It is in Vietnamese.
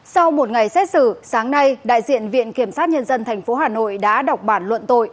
sau một ngày xét xử sáng nay đại diện viện kiểm sát nhân dân tp hà nội đã đọc bản luận tội